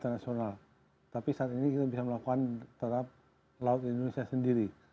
daya semuda pasifik menjadi prioritas internasional tapi saat ini bisa melakukan terhadap laut indonesia sendiri